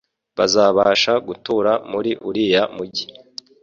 bazabasha gutura muri uriya Mugi